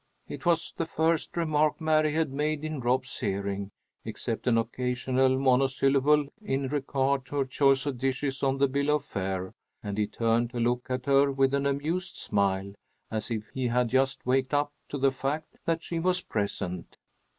It was the first remark Mary had made in Rob's hearing, except an occasional monosyllable in regard to her choice of dishes on the bill of fare, and he turned to look at her with an amused smile, as if he had just waked up to the fact that she was present.